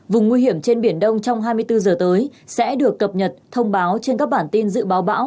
vùng nguy hiểm trên biển đông trong hai mươi bốn giờ tới sẽ được cập nhật thông báo trên các bản tin dự báo bão